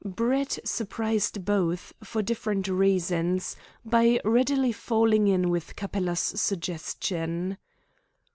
Brett surprised both, for different reasons, by readily falling in with Capella's suggestion.